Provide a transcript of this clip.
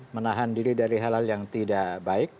menahan diri dari hal hal yang tidak baik